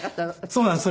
そうなんです。